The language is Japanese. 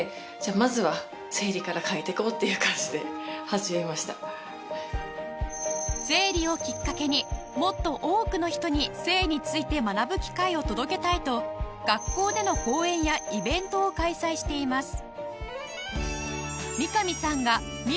三上さんの生理をきっかけにもっと多くの人に性について学ぶ機会を届けたいと学校での講演やイベントを開催しています